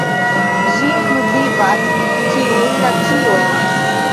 Ĝi inkluzivas ĉiujn naciojn.